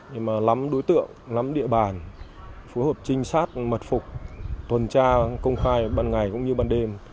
để lắm đối tượng lắm địa bàn phù hợp trinh sát mật phục tuần tra công khai bằng ngày cũng như bằng đêm